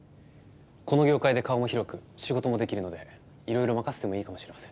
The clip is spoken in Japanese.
この業界で顔も広く仕事もできるのでいろいろ任せてもいいかもしれません。